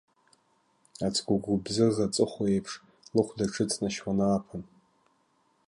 Ацгәы гәыбзыӷ аҵыхәа аиԥш, лыхәда аҽыҵнашьуан ааԥын.